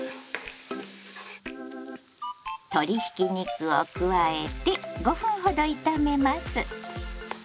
鶏ひき肉を加えて５分ほど炒めます。